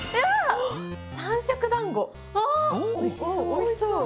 おいしそう。